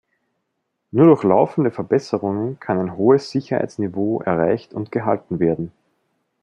Nur durch laufende Verbesserungen kann ein hohes Sicherheitsniveau erreicht und gehalten werden.